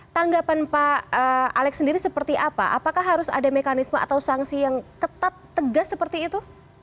tanggapan pak alex sendiri seperti apa apakah harus ada mekanisme atau sanksi yang ketat tegas seperti itu